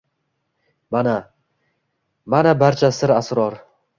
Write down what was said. Mana, mana barcha sir-asror!